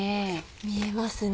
見えますね。